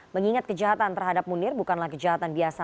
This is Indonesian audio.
mengingat kejahatan terhadap munir bukanlah kejahatan biasa